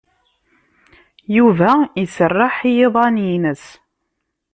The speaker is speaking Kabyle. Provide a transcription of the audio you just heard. Yuba iserreḥ i yiḍan-ines.